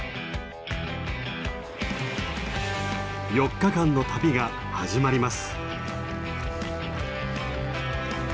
４日間の旅が始まります。